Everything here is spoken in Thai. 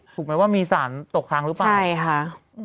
ถูกไหมว่ามีสารตกค้างหรือเปล่าใช่ค่ะ